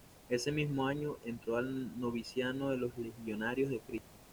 Ese mismo año entró al noviciado de los Legionarios de Cristo.